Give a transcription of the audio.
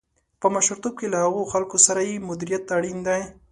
په مشرتوب کې له هغو خلکو سره یې مديريت اړين دی.